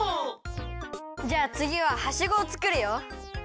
じゃあつぎははしごをつくるよ。